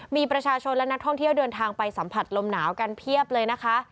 มีประชาชนและนักท่องเที่ยวเดินทางไปสัมผัสลมหนาวกันเพียบเลยนะคะ